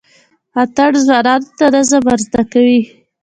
اتڼ ځوانانو ته نظم ور زده کوي.